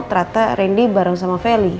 ternyata randy bareng sama feli